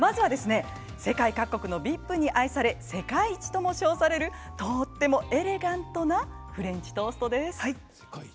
世界各国のＶＩＰに愛され世界一とも称される、とてもエレガントなフレンチトーストです。